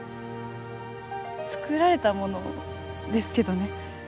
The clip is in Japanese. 作られたものですけどね。